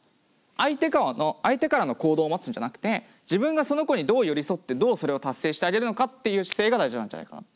相手からの行動を待つんじゃなくて自分がその子にどう寄り添ってどうそれを達成してあげるのかっていう姿勢が大事なんじゃないかなって。